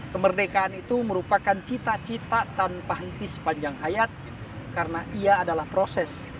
kemerdekaan itu merupakan cita cita tanpa henti sepanjang hayat karena ia adalah proses